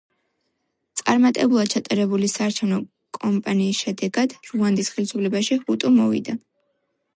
წარმატებულად ჩატარებული საარჩევნო კამპანიის შედეგად რუანდის ხელისუფლებაში ჰუტუ მოვიდა.